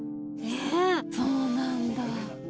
そうなんだ。